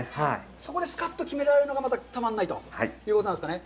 そこですかっと決められるのが、またたまんないということなんですね。